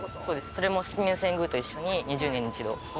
それも式年遷宮と一緒に２０年に一度。